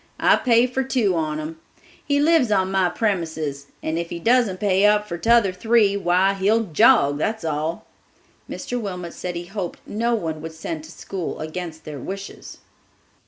I pay for two on 'em. He lives on my premises; and if he doesn't pay up for t'other three, why, he'll jog, that's all." Mr. Wilmot said he hoped no one would send to school against their wishes.